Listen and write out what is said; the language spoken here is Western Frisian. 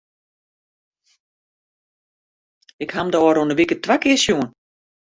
Ik ha him de ôfrûne wike twa kear sjoen.